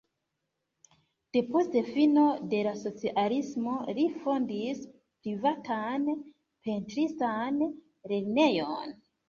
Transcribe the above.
Depost fino de la socialismo li fondis privatan pentristan lernejon.